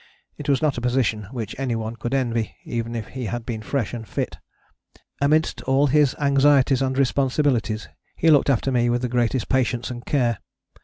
It was not a position which any one could envy even if he had been fresh and fit. Amidst all his anxieties and responsibilities he looked after me with the greatest patience and care.